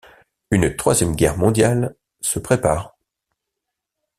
Une troisième guerre mondiale se prépare.